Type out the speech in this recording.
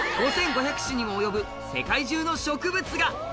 ５５００種にも及ぶ世界中の植物が。